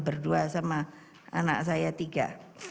berdua sama anak saya tiga